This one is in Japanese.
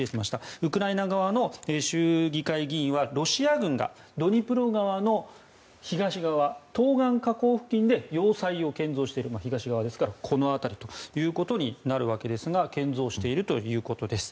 ウクライナ側の州議会議員はロシア軍がドニプロ川の東側東岸河口付近で要塞を建造しているこの辺りということになるわけですが建造しているということです。